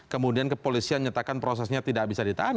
kemudian kepolisian nyatakan prosesnya tidak bisa ditahan